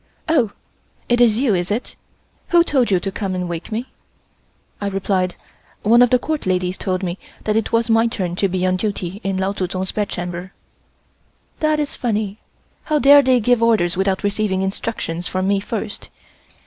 "Oh! it is you, is it? Who told you to come and wake me?" I replied: "One of the Court ladies told me that it was my turn to be on duty in Lao Tsu Tsung's bedchamber." "That is funny. How dare they give orders without receiving instructions from me first?